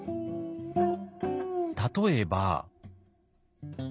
例えば。